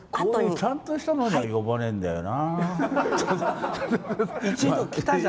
ちゃんとしたのには呼ばねえんだよな。